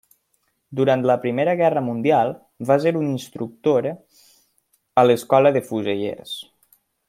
Durant la Primera Guerra Mundial va ser un instructor a l'Escola de fusellers.